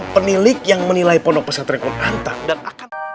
penilik yang menilai ponoposat rekunanta